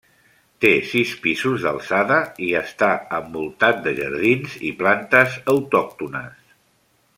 Té sis pisos d'alçada i està envoltat de jardins i plantes autòctones.